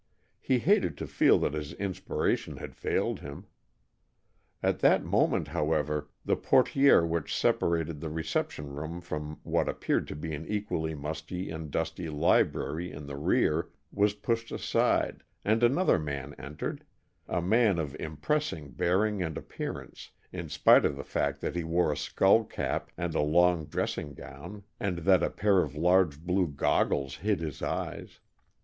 He hated to feel that his inspiration had failed him. At that moment, however, the portière which separated the reception room from what appeared to be an equally musty and dusty library in the rear was pushed aside, and another man entered, a man of impressive bearing and appearance, in spite of the fact that he wore a skullcap and a long dressing gown and that a pair of large blue goggles hid his eyes.